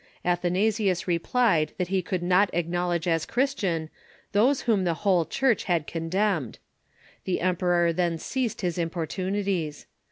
Athanasius replied that he could not acknowledge as Chris tian those Avhom the whole Church had condemned. The em 48 TUE EARLY CHURCH peror tben ceased bis importunities.